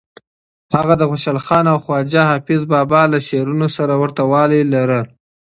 هغه د خوشحال خان او خواجه حافظ بابا له شعرونو سره ورته والی لرلو.